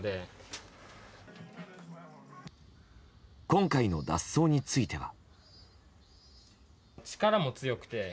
今回の脱走については。